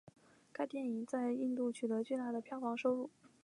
该电影在印度取得巨大的票房收入。